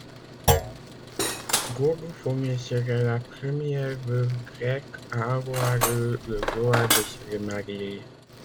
Gorgophoné serait la première veuve grecque à avoir eu le droit de se remarier.